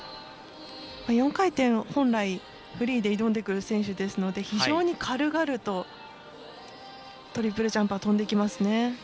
４回転、本来フリーで挑んでくる選手なので非常に軽々とトリプルジャンプ跳んできますね。